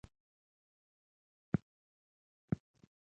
د دوکې دویمه طريقه لالچ دے -